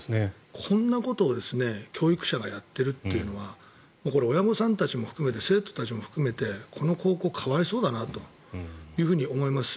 こんなことを教育者がやってるっていうのはこれは親御さんたちも含めて生徒たちも含めてこの高校は可哀想だなというふうに思います。